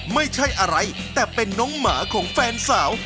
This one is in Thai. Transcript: ไม่ใช่อะไรแต่เป็นน้องหมาของแฟนสาว